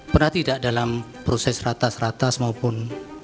pernah tidak dalam proses ratas ratas maupun